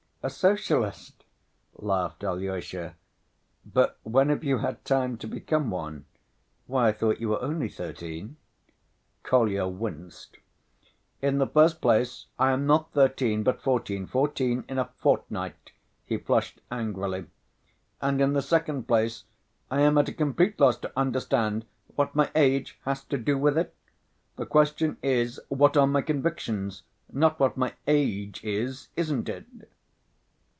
"A Socialist?" laughed Alyosha. "But when have you had time to become one? Why, I thought you were only thirteen?" Kolya winced. "In the first place I am not thirteen, but fourteen, fourteen in a fortnight," he flushed angrily, "and in the second place I am at a complete loss to understand what my age has to do with it? The question is what are my convictions, not what is my age, isn't it?"